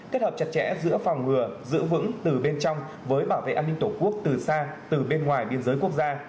kết hợp chặt chẽ giữa phòng ngừa giữ vững từ bên trong với bảo vệ an ninh tổ quốc từ xa từ bên ngoài biên giới quốc gia